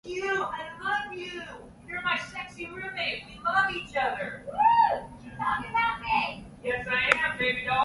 The brothers Stormrage work together in order to rescue her.